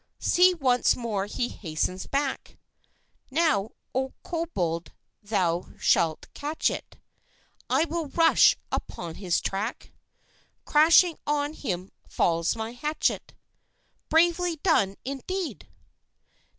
"See, once more he hastens back! Now, O Cobold, thou shalt catch it! I will rush upon his track; Crashing on him falls my hatchet. Bravely done, indeed!